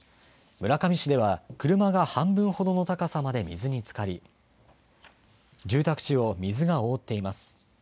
村上市では、車が半分ほどの高さまで水につかり、住宅地を水が覆っています。